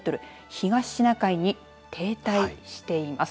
東シナ海に停滞しています。